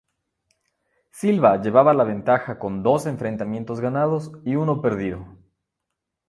Silva llevaba la ventaja con dos enfrentamientos ganados y uno perdido.